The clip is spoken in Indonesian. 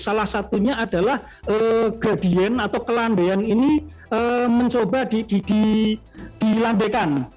salah satunya adalah gadien atau kelandaian ini mencoba dilandaikan